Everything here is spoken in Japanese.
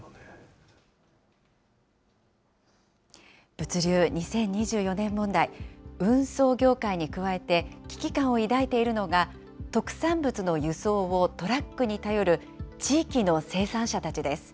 物流２０２４年問題、運送業界に加えて、危機感を抱いているのが、特産物の輸送をトラックに頼る地域の生産者たちです。